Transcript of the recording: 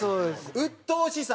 「うっとうしさ」。